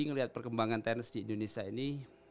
melihat perkembangan tenis di indonesia ini